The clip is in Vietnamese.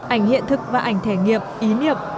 ảnh hiện thực và ảnh thể nghiệm ý niệm